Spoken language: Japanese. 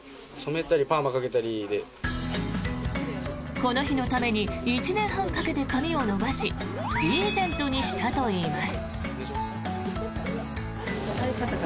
この日のために１年半かけて髪を伸ばしリーゼントにしたといいます。